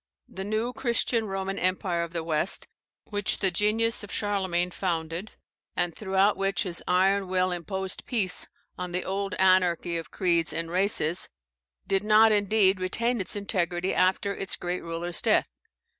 The new Christian Roman Empire of the West, which the genius of Charlemagne founded, and throughout which his iron will imposed peace on the old anarchy of creeds and races, did not indeed retain its integrity after its great ruler's death.